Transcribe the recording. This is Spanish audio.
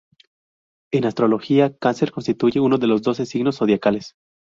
En astrología, Cáncer constituye uno de los doce signos zodiacales.